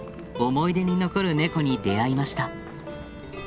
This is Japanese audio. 思い出に残るネコに出会いました。